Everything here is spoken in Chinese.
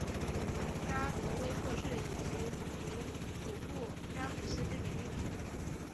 查德威克是以其祖父詹姆斯之名命名。